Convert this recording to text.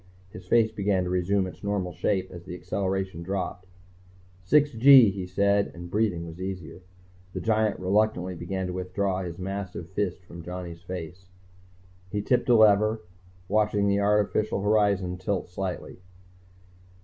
His face began to resume its normal shape as the acceleration dropped. "... six gee," he said, and breathing was easier. The giant reluctantly began to withdraw his massive fist from Johnny's face. He tipped a lever, watched the artificial horizon tilt slightly.